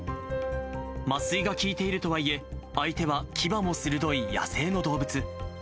麻酔が効いているとはいえ、相手はきばも鋭い野生の動物。